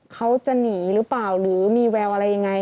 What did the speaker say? เขาจะหนีหรือเปล่าหรือมีแววอะไรยังไง